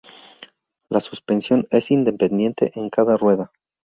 La suspensión es independiente en cada rueda.